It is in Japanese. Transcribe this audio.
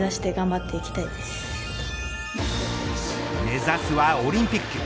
目指すはオリンピック。